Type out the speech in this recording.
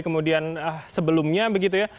kemudian sebelumnya begitu ya